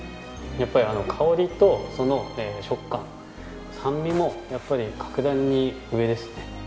やっぱり香りとその食感酸味もやっぱり格段に上ですね。